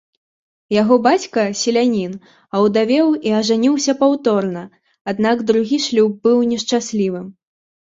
Яго бацька, селянін, аўдавеў і ажаніўся паўторна, аднак другі шлюб быў нешчаслівым.